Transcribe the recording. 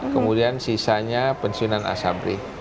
kemudian sisanya pensiunan asabri